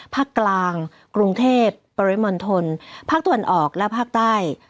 ภาคกลางกรุงเทพฯปริมณฑลภาคนาคแล้วภาคตะวันออกทางล่างค่ะ